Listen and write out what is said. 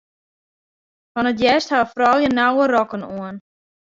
Fan 't hjerst hawwe froulju nauwe rokken oan.